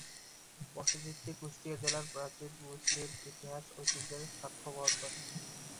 মসজিদটি কুষ্টিয়া জেলার প্রাচীন মুসলিম ইতিহাস ঐতিহ্যের সাক্ষ্য বহন করে।